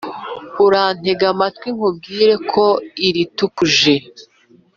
Urantege amatwi nkubwire ko ilitukuje